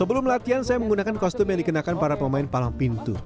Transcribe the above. sebelum latihan saya menggunakan kostum yang dikenakan para pemain palang pintu